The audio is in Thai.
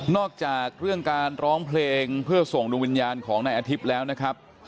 อกจากเรื่องการร้องเพลงเพื่อส่งดวงวิญญาณของนายอาทิตย์แล้วนะครับ